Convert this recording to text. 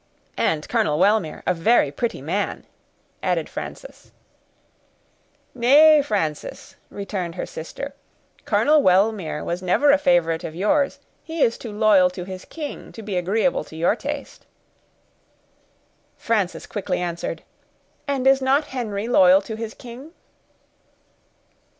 "And Colonel Wellmere a very pretty man," added Frances. "Nay, Frances," returned her sister, "Colonel Wellmere was never a favorite of yours; he is too loyal to his king to be agreeable to your taste." Frances quickly answered, "And is not Henry loyal to his king?"